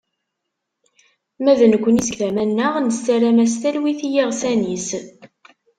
Ma d nekni seg tama-nneɣ, nessaram-as talwit i yiɣsan-is.